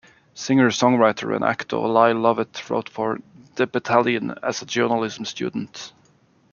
Singer-songwriter and actor Lyle Lovett wrote for "The Battalion" as a journalism student.